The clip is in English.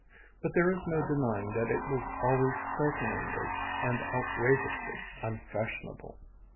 But there is no denying that it was always startlingly and outrageously unfashionable.